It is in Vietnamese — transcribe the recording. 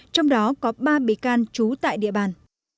trong đó có ba bị can trú tại địa bàn